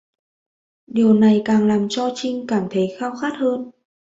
Điều này càng làm cho Trinh cảm thấy khao khát hơn